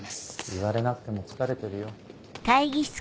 言われなくても疲れてるよ。